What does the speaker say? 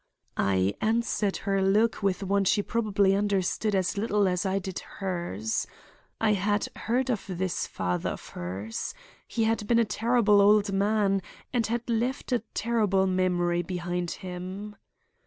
"I answered her look with one she probably understood as little as I did hers. I had heard of this father of hers. He had been a terrible old man and had left a terrible memory behind him.